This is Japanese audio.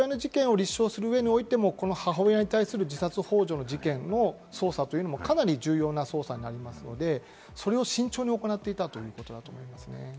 その中で父親の事件を立証する上でも、母親に対する自殺ほう助の事件の捜査というのもかなり重要な捜査になりますので、慎重に行っていたということだと思います。